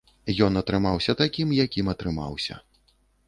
Ён атрымаўся такім, якім атрымаўся.